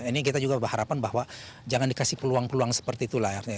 ini kita juga berharapan bahwa jangan dikasih peluang peluang seperti itu layarnya